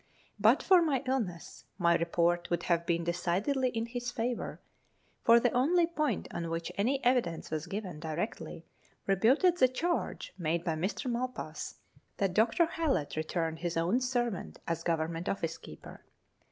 But for my illness, my report would have beeu decidedly in his favour, for the only point on which any evidence was given directly rebutted the charge made by Mr. Mai pas, that Dr. Hallett returned his own servant as Government office keeper.